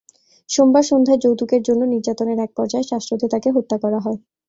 সোমবার সন্ধ্যায় যৌতুকের জন্য নির্যাতনের একপর্যায়ে শ্বাসরোধে তাঁকে হত্যা করা হয়।